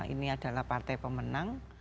ini adalah partai pemenang